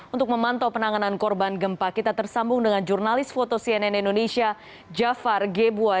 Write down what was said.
untuk memantau penanganan korban gempa kita tersambung dengan jurnalis foto cnn indonesia jafar gebuai